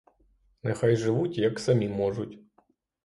Нехай живуть, як самі можуть.